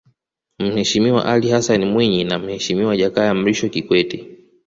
Mheshimiwa Alli Hassani Mwinyi na Mheshimiwa Jakaya Mrisho Kikwete